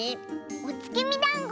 おつきみだんご。